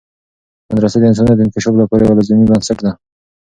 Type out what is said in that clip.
مدرسه د انسانیت د انکشاف لپاره یوه لازمي بنسټ ده.